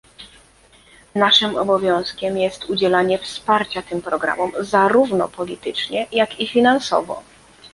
Naszym obowiązkiem jest udzielanie wsparcia tym programom, zarówno politycznie, jak i finansowo